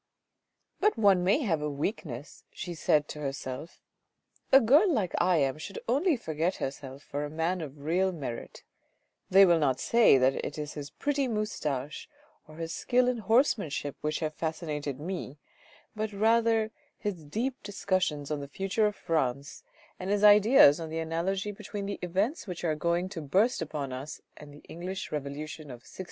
" But one may have a weakness," she said to herself, " a girl like I am should only forget herself for a man of real merit ; they will not say that it is his pretty moustache or his skill in horsemanship which have fascinated me, but rather his deep discussions on the future of France and his ideas on the an alogy between the events which are going to burst upon us and the English revolution of 1688."